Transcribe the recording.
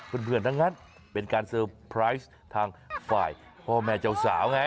เพื่อนทั้งนั้นเป็นการเซอร์ไพรส์ทางฝ่ายพ่อแม่เจ้าสาวไง